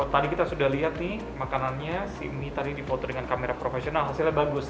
tadi kita sudah lihat nih makanannya si mie tadi di foto dengan kamera profesional hasilnya bagus